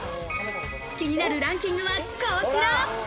気になるランキングはこちら。